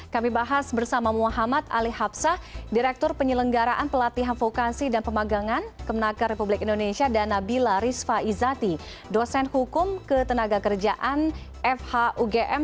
kami bahas bersama muhammad ali hapsah direktur penyelenggaraan pelatihan vokasi dan pemagangan kemenaker republik indonesia dan nabila rizfa izati dosen hukum ketenaga kerjaan fhugm